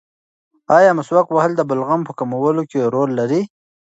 ایا مسواک وهل د بلغم په کمولو کې رول لري؟